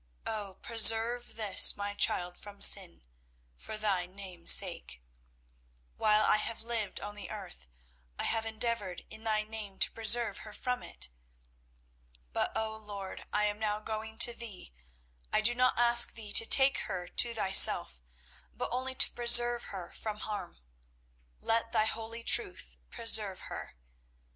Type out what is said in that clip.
Oh, preserve this my child from sin, for Thy Name's sake. While I have lived on the earth, I have endeavoured in Thy name to preserve her from it. But, O Lord, I am now going to Thee. I do not ask Thee to take her to Thyself, but only to preserve her from harm. Let Thy holy truth preserve her.